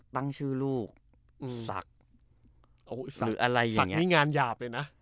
ตั้งชื่อลูกสักอ๋อสักหรืออะไรอย่างเงี้ยสักมีงานหยาบเลยน่ะ